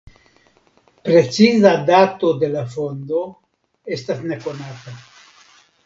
Preciza dato de la fondo estas nekonata.